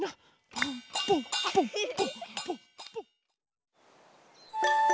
ポンポンポンポンポンポン。